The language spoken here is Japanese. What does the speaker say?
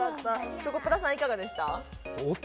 チョコプラさん、いかがでした？